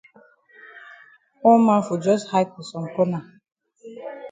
All man fon jus hide for some corner.